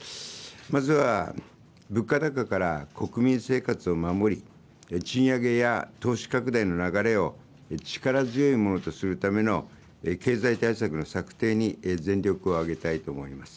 まずは、物価高から国民生活を守り、賃上げや投資拡大の流れを力強いものとするための経済対策の策定に全力を挙げたいと思います。